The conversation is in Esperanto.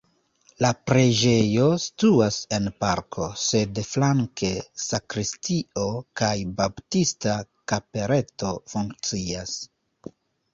La preĝejo situas en parko, sed flanke sakristio kaj baptista kapeleto funkcias.